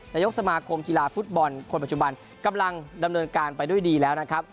นายกสมาคมกีฬาฟุตบอลคนปัจจุบันกำลังดำเนินการไปด้วยดีแล้วนะครับ